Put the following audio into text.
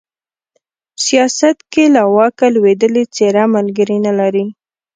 سياست کې له واکه لوېدلې څېره ملگري نه لري